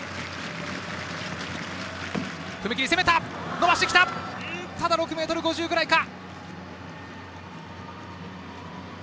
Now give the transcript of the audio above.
伸ばしてきたが６ｍ５０くらいか。